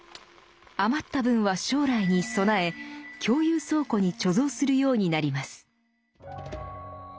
余った分は将来に備え共有倉庫に貯蔵するようになります。